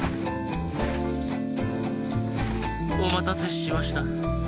おまたせしました。